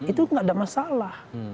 itu enggak ada masalah